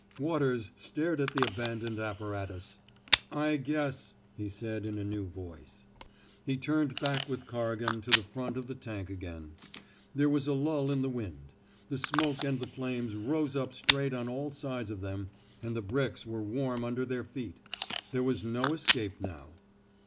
Waters stared at the abandoned appa ratus. / guess,'' he said, in a new voice. He turned back with Corrigan to the front of the tank again. There was a lull in the wind; the smoke and the flames rose up straight on all sides of them, and the bricks were warm under their feet. There was no escape now.